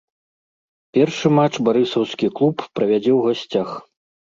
Першы матч барысаўскі клуб правядзе ў гасцях.